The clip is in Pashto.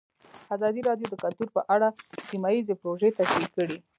ازادي راډیو د کلتور په اړه سیمه ییزې پروژې تشریح کړې.